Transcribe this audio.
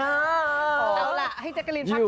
เอาล่ะให้จักรีนพักพอ